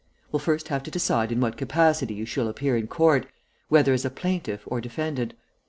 We'll first have to decide in what capacity you shall appear in court, whether as a plaintiff or defendant.